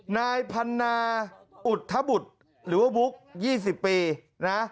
นายพันนาอุทธบุตรหรือว่าบุ๊ก๒๐ปีนะ